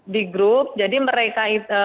di grup jadi mereka